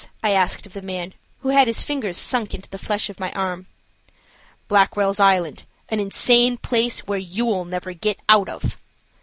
I asked of the man, who had his fingers sunk into the flesh of my arm. "Blackwell's Island, an insane place, where you'll never get out of."